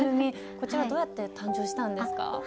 こちらどうやって誕生したんですか？